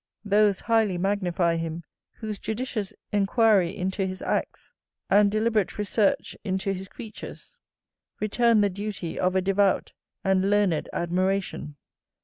Those highly magnify him, whose judicious enquiry into his acts, and deliberate research into his creatures, return the duty of a devout and learned admiration.